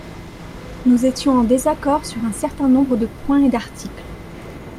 Nous étions en désaccord sur un certain nombre de points et d’articles.